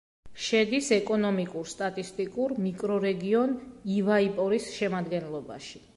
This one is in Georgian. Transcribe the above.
შედის ეკონომიკურ-სტატისტიკურ მიკრორეგიონ ივაიპორის შემადგენლობაში.